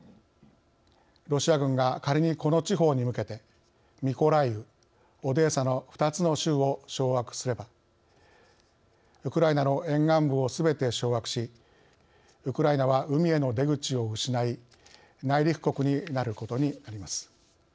ロシア軍が仮にこの地方に向けてミコライウオデーサの２つの州を掌握すればウクライナの沿岸部をすべて掌握しウクライナは海への出口を失い内陸国になることになります。